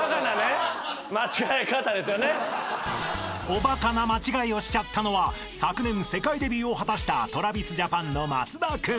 ［おバカな間違いをしちゃったのは昨年世界デビューを果たしたＴｒａｖｉｓＪａｐａｎの松田君］